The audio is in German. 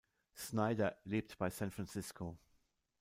Snyder lebt bei San Francisco.